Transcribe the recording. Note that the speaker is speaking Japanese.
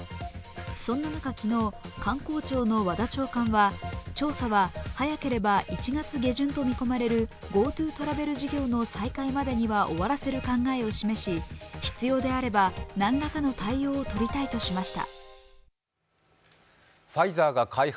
そんな中、昨日、観光庁の和田長官は調査は早ければ１月下旬と見込まれるＧｏＴｏ事業の再開までには終わらせる考えを示し、必要であれば何らかの対応をとりたいとしました。